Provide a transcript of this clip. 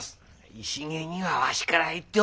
石毛にはわしから言っておく。